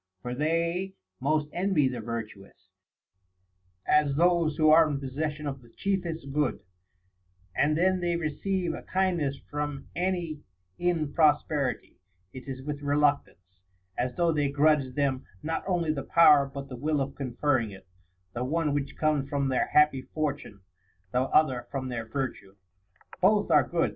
For they most envy the virtuous, as those who are in possession of the chiefest good ; and when they receive a kindness from any in prosperity, it is with reluctance, as though they grudged them not only the power but the will of conferring it ; the one of which comes from their happy fortune, the other from their virtue. Both are good.